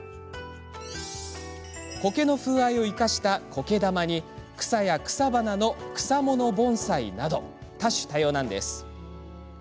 苔の風合いを生かした苔玉に草や草花の草もの盆栽など多種多様です。